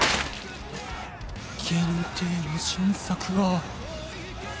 限定の新作が。